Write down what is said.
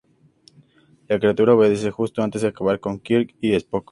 La criatura obedece justo antes de acabar con Kirk y Spock.